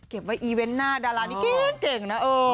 ไว้อีเวนต์หน้าดารานี้เก่งนะ